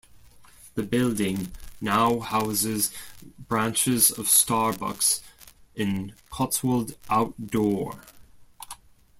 The building now houses branches of Starbucks and Cotswold Outdoor.